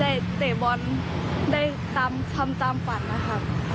เตะบอลได้ทำตามฝันนะคะ